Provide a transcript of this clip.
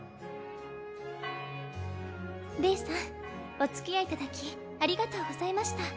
レイさんお付き合いいただきありがとうございました